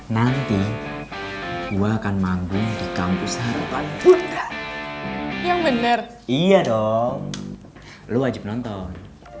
nanti gue akan manggung di kampus harapan bunda yang benar iya dong lo wajib nonton